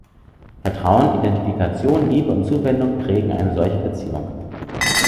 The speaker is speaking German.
Vertrauen, Identifikation, Liebe und Zuwendung prägen eine solche Beziehung.